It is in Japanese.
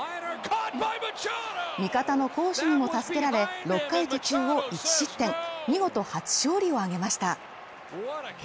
味方の好守にも助けられ、６回途中を１失点見事初勝利を挙げました。